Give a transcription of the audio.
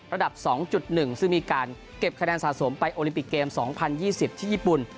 ระดับ๒๑ซึ่งมีการเก็บคะแนนสะสมไปโอลิมปิกเกม๒๐๒๐ที่ญี่ปุ่น